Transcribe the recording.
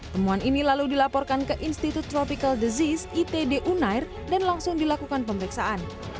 temuan ini lalu dilaporkan ke institut tropical disease itd unair dan langsung dilakukan pemeriksaan